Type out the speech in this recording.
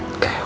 kau gak perut